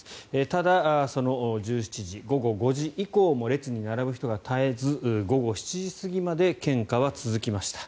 ただ、その午後５時以降も列に並ぶ人が絶えず午後７時過ぎまで献花は続きました。